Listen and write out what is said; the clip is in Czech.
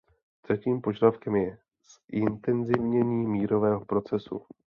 Třetím požadavkem je zintenzivnění mírového procesu.